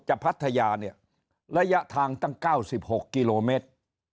พัทยาเนี่ยระยะทางตั้ง๙๖กิโลเมตร